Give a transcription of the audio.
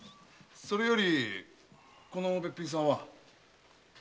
それよりこのベッピンさんは？